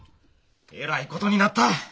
えらいことになった！